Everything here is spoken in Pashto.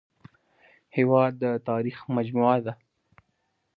هېواد د تاریخ مجموعه ده